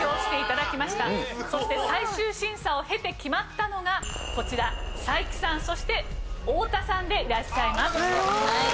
そして最終審査を経て決まったのがこちら才木さんそして太田さんでいらっしゃいます。